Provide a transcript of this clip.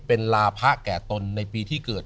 เป็นลาพะแก่ตนในปีที่เกิด